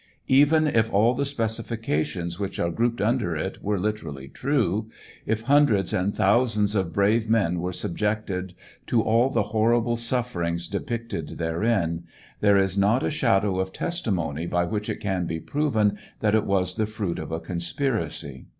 Even if all the specifications which are grouped under it wet literally true, if hundreds and thousands of brave men were subjected to all tli TRIAL OF HENRY WIRZ. 705 hoi rible sufferings depicted therein, there is not a shadow of testimony by which it ean be proven that it was the fruit of a conspiracy.